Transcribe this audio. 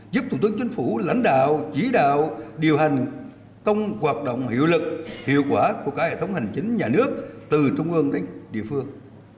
giúp thủ tướng chính phủ lãnh đạo chỉ đạo điều hành trong hoạt động hiệu lực hiệu quả của cả hệ thống hành chính nhà nước từ trung ương đến địa phương